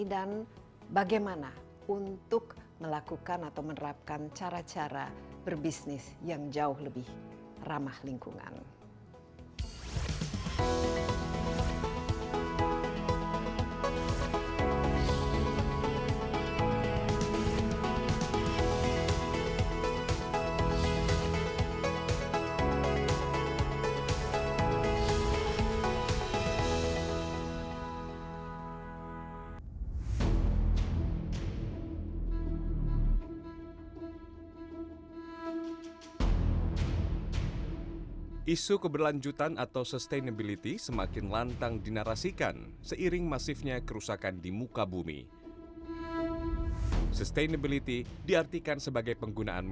dan bagaimana untuk melakukan atau menerapkan cara cara berbisnis yang jauh lebih ramah lingkungan